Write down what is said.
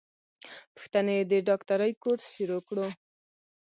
پښتنې د ډاکټرۍ کورس شروع کړو.